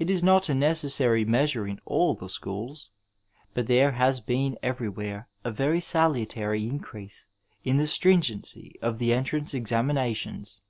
It is not a necessary measure in all the schools, but there has been everywhere a very salutary increase in the stringency of the entrance examinations.